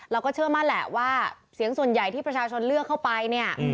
เราก็เชื่อมั่นแหละว่าเสียงส่วนใหญ่ที่ประชาชนเลือกเข้าไปเนี่ย